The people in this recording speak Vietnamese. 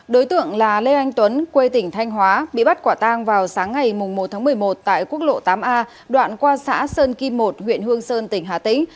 đối tượng là lê anh tuấn quê tỉnh thanh hóa bị bắt quả tang vào sáng ngày một một mươi một tại quốc lộ tám a đoạn qua xã sơn kim một huyện hương sơn tỉnh hà tĩnh